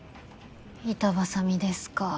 板挟みですか。